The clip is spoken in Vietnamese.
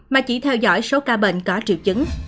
mà chỉ theo dõi số ca bệnh có triệu chứng